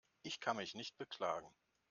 Ich kann mich nicht beklagen.